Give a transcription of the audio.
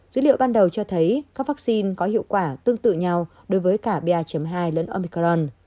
dữ liệu ban đầu cho thấy các vaccine có hiệu quả tương tự nhau đối với cả ba hai lẫn omicron